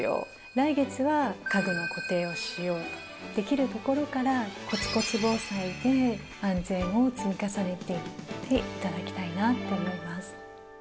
来月は家具の固定をしようとできるところからコツコツ防災で安全を積み重ねていって頂きたいなって思います。